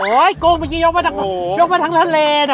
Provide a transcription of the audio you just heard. โอ๊ยกุ้งเมื่อกี้ยกเมื่อกี้ทางร้านเลนอ่ะ